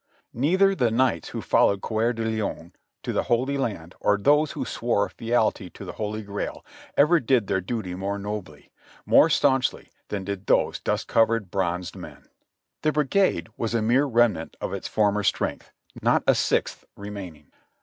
Neither the Knights who followed Coeur de Leon to the Holy Land or those who swore fealty to the Holy Grail ever did their 'duty more nobly, more staunchly than did those dust covered bronzed men. The brigade was a mere remnant of its former strength, not a sixth remaining.